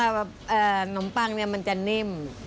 มันยากเพราะว่านมปังนี่มันจะนิ่ม